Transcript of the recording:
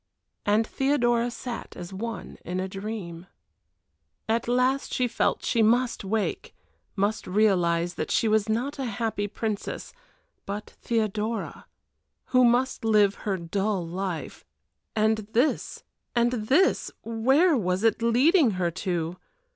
And Theodora sat as one in a dream. At last she felt she must wake must realize that she was not a happy princess, but Theodora, who must live her dull life and this and this where was it leading her to?